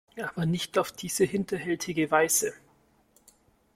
Aber nicht auf diese hinterhältige Weise!